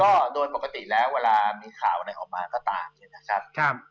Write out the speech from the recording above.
ก็โดนปกติแล้วเวลามีข่าวอะไรออกมาก็ตาม